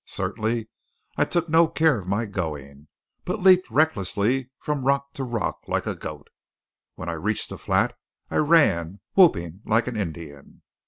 Certainly I took no care of my going, but leaped recklessly from rock to rock like a goat. When I reached the flat, I ran, whooping like an Indian.